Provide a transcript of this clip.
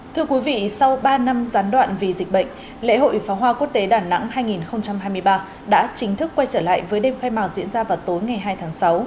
thưa quý vị sau ba năm gián đoạn vì dịch bệnh lễ hội pháo hoa quốc tế đà nẵng hai nghìn hai mươi ba đã chính thức quay trở lại với đêm khai mạc diễn ra vào tối ngày hai tháng sáu